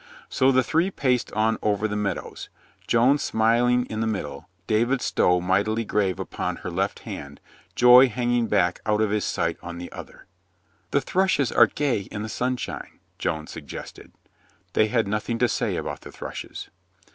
So the three paced on over the meadows, Joan smil ing in the middle, David Stow mightily grave upon her left hand, Joy hanging back out of his sight on the other. "The thrushes are gay in the sunshine," Joan suggested. They had nothing to say about the thrushes.